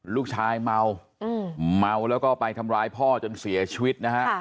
ลูกชายเมาเมาแล้วก็ไปทำร้ายพ่อจนเสียชีวิตนะฮะ